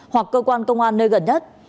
hoặc cơ quan công an nơi gần nhất